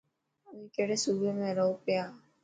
اوين ڪهڙي صوبي ۾ رهو پيا.